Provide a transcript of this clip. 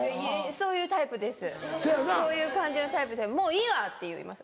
そういうタイプですそういう感じのタイプで「もういいわ！」って言います